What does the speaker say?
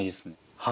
はい。